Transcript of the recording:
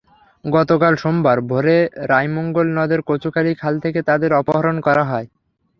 গতকাল সোমবার ভোরে রায়মঙ্গল নদের কচুখালী খাল থেকে তাঁদের অপহরণ করা হয়।